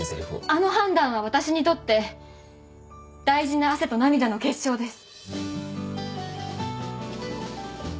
あの判断は私にとって大事な汗と涙の結晶です。